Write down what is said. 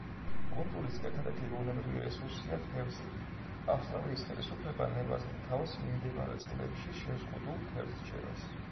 კუნძულის ერთადერთი ბუნებრივი რესურსია თევზები; ავსტრალიის ხელისუფლება ნებას რთავს მიმდებარე წყლებში შეზღუდულ თევზჭერას.